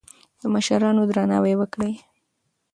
د مشرانو درناوی وکړئ.